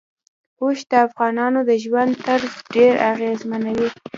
اوښ د افغانانو د ژوند طرز ډېر اغېزمنوي.